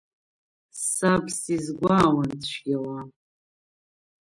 Саб сизгәаауан цәгьала.